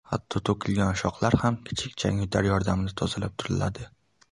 Hatto to‘kilgan ushoqlar ham kichik changyutar yordamida tozalab turiladi.